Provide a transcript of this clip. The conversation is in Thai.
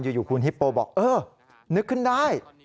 อยู่คุณฮิปโปบอกเออนึกขึ้นได้